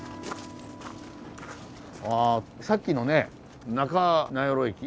あさっきのね中名寄駅